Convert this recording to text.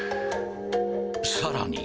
さらに。